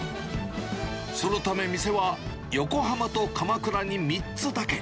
そのため店は、横浜と鎌倉に３つだけ。